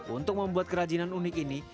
untuk membuat kerajinan unik ini